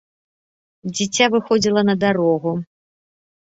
Дзіця выходзіла на дарогу.